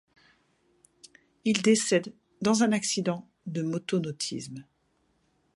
Il décède le dans un accident de motonautisme.